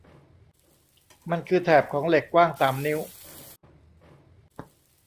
มันคือแถบของเหล็กกว้างสามนิ้ว